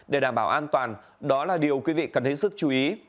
để đảm bảo an toàn đó là điều quý vị cần hết sức chú ý